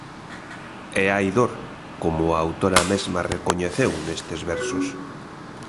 E hai dor, como a autora mesma recoñeceu, nestes versos.